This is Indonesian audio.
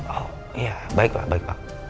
oh iya baik pak